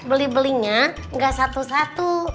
beli belinya nggak satu satu